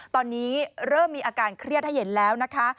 ตอนนี้เริ่มมีอาการเครียดให้เห็นแล้วนะคะ